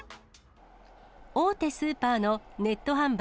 大手スーパーのネット販売